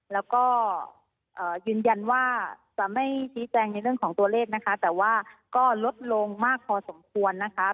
แล้วก็ยืนยันว่าจะไม่ชี้แจงในเรื่องของตัวเลขนะคะแต่ว่าก็ลดลงมากพอสมควรนะคะ